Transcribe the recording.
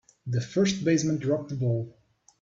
The first baseman dropped the ball.